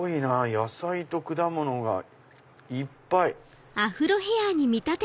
野菜と果物がいっぱい。